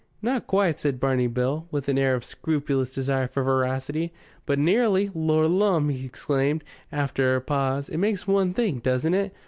"Not quite," said Barney Bill, with an air of scrupulous desire for veracity. "But nearly. Lor' lumme!" he exclaimed, after a pause, "it makes one think, doesn't it?